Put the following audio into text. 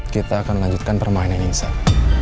kita akan melanjutkan permainan ini seth